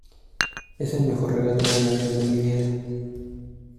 es el mejor regalo de Navidad de mi vida.